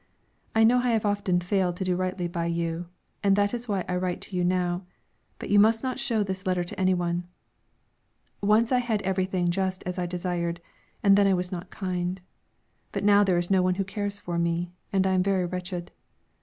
I know I have often failed to do rightly by you, and that is why I write to you now; but you must not show the letter to any one. Once I had everything just as I desired, and then I was not kind; but now there is no one who cares for me, and I am very wretched.